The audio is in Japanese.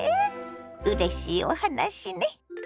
うれしいお話ね。